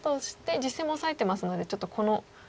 実戦もオサえてますのでちょっとこのスケールで。